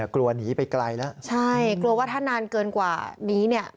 กลัวว่าถ้านานเกินกว่านี้เนี่ย